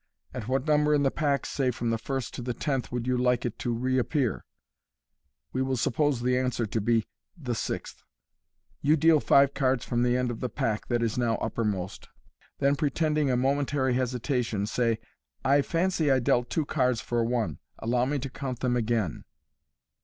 At what number in the pack, say from the first to the tenth, would you like it to re appear ?'• We will suppose the answer to be " the sixth.'* You deal five cards from the end of the pack that is now uppermost, then pretending a momentary hesitation., say, " I fancy I dealt two cards for one j allow me to count them again."